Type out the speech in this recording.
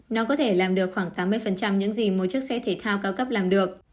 nó có thể làm được khoảng tám mươi những gì mỗi chiếc xe thể thao cao cấp làm được